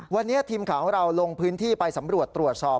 วันนี้ทีมข่าวของเราลงพื้นที่ไปสำรวจตรวจสอบ